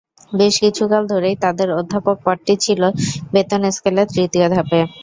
বেশ কিছুকাল ধরেই তাঁদের অধ্যাপক পদটি ছিল বেতন স্কেলের তৃতীয় ধাপে।